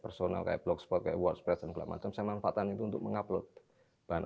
personal kayak blogspot kayak wordpress dan kelapa macam saya manfaatkan itu untuk mengupload bahan